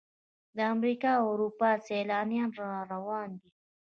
د امریکا او اروپا سیلانیان را روان دي.